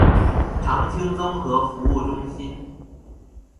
長青綜合服務中心